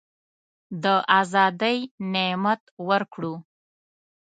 د آزادی نعمت ورکړو.